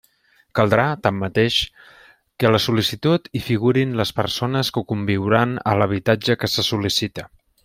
Caldrà, tanmateix, que a la sol·licitud hi figurin les persones que conviuran a l'habitatge que se sol·licita.